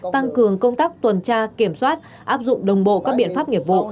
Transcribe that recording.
tăng cường công tác tuần tra kiểm soát áp dụng đồng bộ các biện pháp nghiệp vụ